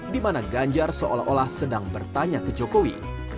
dimana ganjar seolah olah sedang bertanya ke jokowi